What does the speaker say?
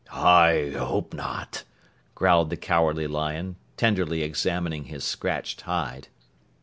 "I hope not," growled the Cowardly Lion, tenderly examining his scratched hide.